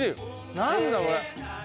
何だこれ。